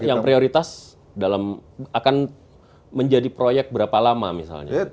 yang prioritas dalam akan menjadi proyek berapa lama misalnya